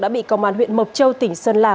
đã bị công an huyện mộc châu tỉnh sơn la